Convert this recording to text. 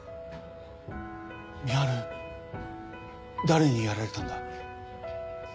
誰にやられたんだ？